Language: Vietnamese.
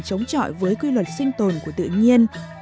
chống chọi với quy luật sinh tồn của tự nhiên